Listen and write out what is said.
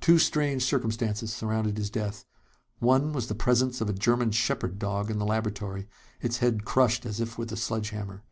Two strange circumstances surrounded his death. One was the presence of a German shepherd dog in the laboratory, its head crushed as if with a sledgehammer.